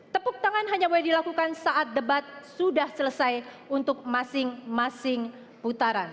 tepuk tangan hanya boleh dilakukan saat debat sudah selesai untuk masing masing putaran